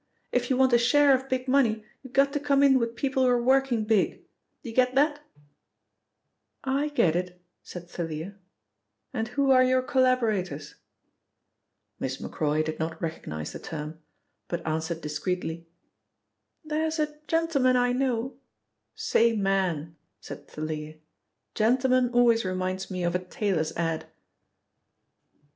If you want a share of big money you've got to come in with people who are working big do you get that?" "I get it," said Thalia, "and who are your collaborators?" Miss Macroy did not recognise the term but answered discreetly: "There's a gentleman I know " "Say 'man'," said Thalia. "Gentleman always reminds me of a tailor's ad."